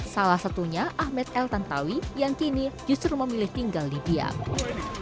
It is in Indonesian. salah satunya ahmed el tantawi yang kini justru memilih tinggal di biak